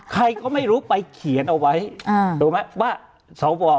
ใครก็ไม่รู้ไปเขียนเอาไว้ถูกไหมว่าสว